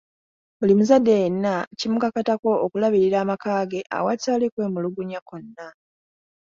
Buli muzadde yenna kimukakatako okulabirira amaka ge awatali kw’emulugunya kwonna.